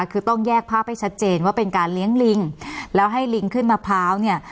คือต้องแยกภาพให้ชัดเจนว่าเป็นการเลี้ยงลิงแล้วให้ลิงขึ้นมะพร้าวเนี่ย